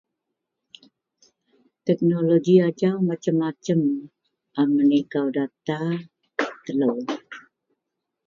Teknoloji ajau macem-macem a menikau data telou.